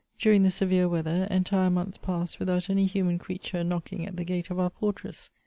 During the severe weather, entire months passed without any human creature knocking at the gate of our fortress.